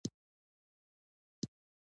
د خپلواکۍ لپاره قرباني ورکول ستر ویاړ دی.